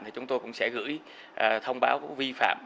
thì chúng tôi cũng sẽ gửi thông báo đến người vi phạm